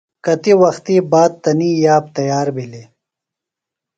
کتیۡ وختیۡ باد تنی یاب تیار بِھلیۡ۔